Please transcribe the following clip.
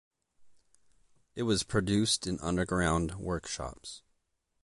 It was produced in underground workshops.